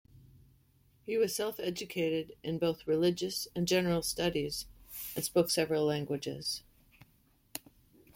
He was self-educated in both religious and general studies, and spoke several languages.